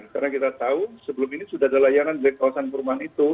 karena kita tahu sebelum ini sudah ada layanan dari kawasan perumahan itu